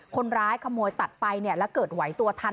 คนร้ายขโมยตัดไปแล้วเกิดไหวตัวทัน